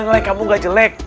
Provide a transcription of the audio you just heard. nilai kamu nggak jelek